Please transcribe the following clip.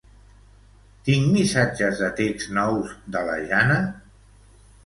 Tinc missatges de text nous de la Jana?